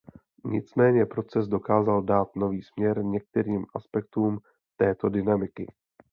Nicméně proces dokázal dát nový směr některým aspektům této dynamiky.